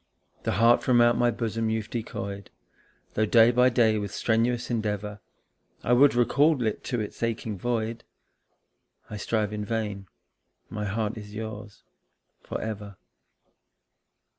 The heart from out my bosom you've decoyed, Though day by day with strenuous endeavour I would recall it to its aching void. I strive in vain my heart is yours for ever.